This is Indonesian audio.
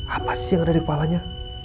apa sih yang ada di kepalanya